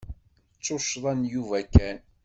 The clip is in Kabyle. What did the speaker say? D tuccḍa n Yuba kan.